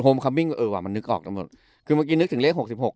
โฮมคัมมิ้งเออมานึกออกทั้งหมดคือเมื่อกี้ถึงเลขหกสิบหก